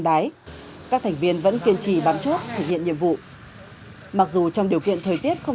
đái các thành viên vẫn kiên trì bám chốt thực hiện nhiệm vụ mặc dù trong điều kiện thời tiết không